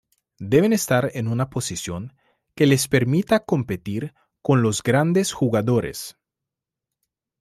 Deben estar en una posición que les permita competir con los grandes jugadores.